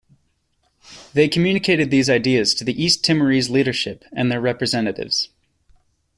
They communicated these ideas to the East Timorese leadership and their representatives.